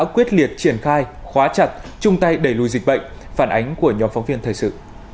quyết liệt triển khai khóa chặt chung tay đẩy lùi dịch bệnh phản ánh của nhóm phóng viên thời sự